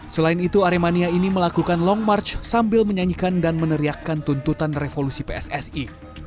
selain itu aremania ini melakukan long march sambil menyanyikan dan meneriakan tuntutan revolusi pssi